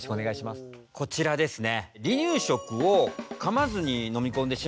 こちらですね。